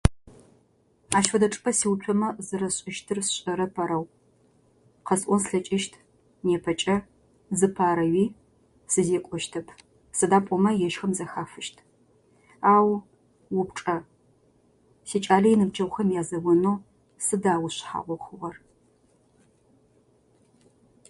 Ащ фэдэ чӏыпӏэ сиуцомэ зэрэсшӏыщтыр сшӏэрэп арау къэсӏон слъэкӏыщт непэкӏэ зыпарэуи сызекӏощтэп сыда пӏомэ ежьхэм зэхафыщт, ау упчӏэ сикӏалэ иныбджэгъухэм язэонэу сыда ушхьагъу хъугъэр?